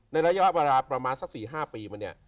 ในระยะเวลาประมาณสัก๔๕ปีมาเนี่ย